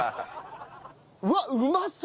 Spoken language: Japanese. うわっうまそう！